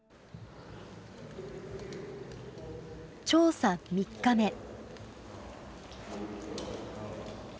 調査３日目。